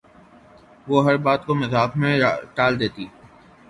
وہ ہر بات کو مذاق میں ٹال دیتی